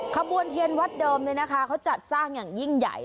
ขบวนเทียนวัดเดิมเลยนะคะเขาจัดสร้างอย่างยิ่งใหญ่